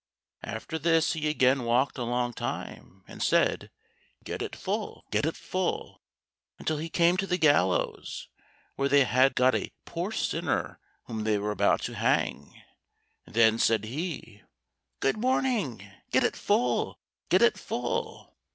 '" After this he again walked a long time, and said, "Get it full, get it full," until he came to the gallows, where they had got a poor sinner whom they were about to hang. Then said he, "Good morning; get it full, get it full."